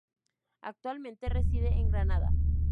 Actualmente reside en Granada.